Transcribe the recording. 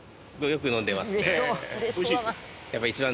おいしいですか？